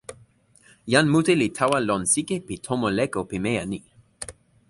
jan mute li tawa lon sike pi tomo leko pimeja ni.